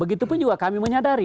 begitu pun juga kami menyadari